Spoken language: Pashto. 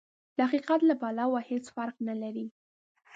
د حقيقت له پلوه هېڅ فرق نه لري.